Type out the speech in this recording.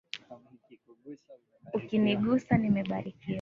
Ukinigusa nimebarikiwa.